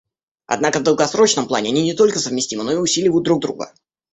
Однако в долгосрочном плане они не только совместимы, но и усиливают друг друга.